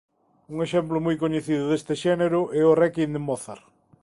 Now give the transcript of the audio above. Un exemplo moi coñecido deste xénero é o Réquiem de Mozart.